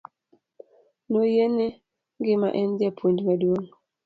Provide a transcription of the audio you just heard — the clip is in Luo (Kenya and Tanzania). Noyie ni ng'ima en japuonj maduong'.